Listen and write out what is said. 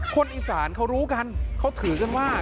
คนอีสานเขารู้กันเขาถือกันว่า